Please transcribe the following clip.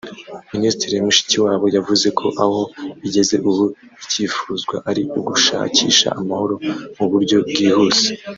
Minisitiri Mushikiwabo yavuze ko aho bigeze ubu icyifuzwa ari ugushakisha amahoro mu buryo bwihuse